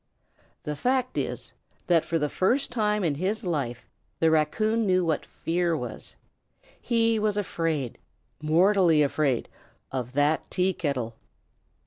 The fact is, that for the first time in his life the raccoon knew what fear was. He was afraid mortally afraid of that tea kettle.